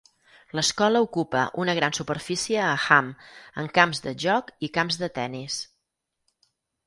L"escola ocupa una gran superfície a Ham, amb camps de joc i camps de tenis.